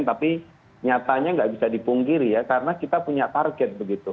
tapi nyatanya nggak bisa dipungkiri ya karena kita punya target begitu